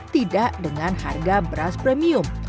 tidak dengan harga beras premium